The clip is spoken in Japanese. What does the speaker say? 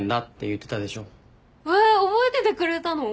覚えててくれたの？